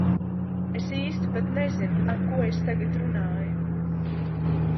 Es īsti pat nezinu, ar ko es tagad runāju...